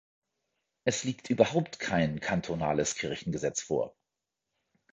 Es liegt überhaupt kein kantonales Kirchengesetz vor.